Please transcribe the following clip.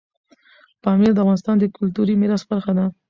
پامیر د افغانستان د کلتوري میراث برخه ده.